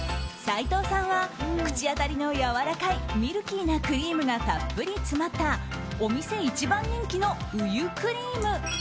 斉藤さんは口当たりのやわらかいミルキーなクリームがたっぷり詰まったお店一番人気のウユクリーム。